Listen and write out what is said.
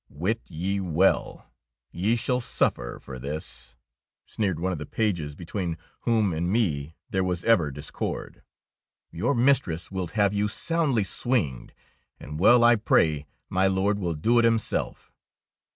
"Wit ye well, ye shall suffer for 6 THE KOBE OE THE DUCHESS this," sneered one of the pages, be tween whom and me there was ever discord. "Your mistress wilt have you soundly swinged, and well I pray my Lord will do it himself.